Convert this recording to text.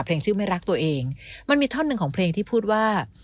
ชื่อไม่รักตัวเองมันมีท่อนหนึ่งของเพลงที่พูดว่า